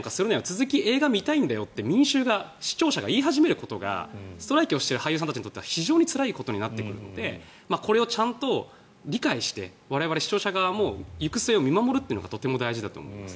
続き、映画見たいんだよと民衆、視聴者が言うことがストライキをしている俳優さんたちにとっては非常につらいことになってくるのでこれをちゃんと理解して我々視聴者側も行く末を見守るのが大事だと思います。